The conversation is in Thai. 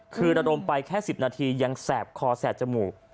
คือระดมไปแค่๑๐นาทียังแสบคอแสบจมูก